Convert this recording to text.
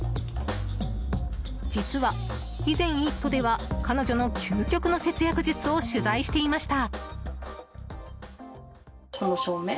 実は以前、「イット！」では彼女の究極の節約術を取材していました。